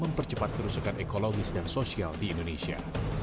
mempercepat kerusakan ekologis dan sosial di indonesia